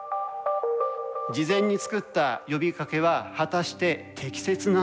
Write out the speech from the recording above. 事前に作った呼びかけは果たして適切なんだろうかと。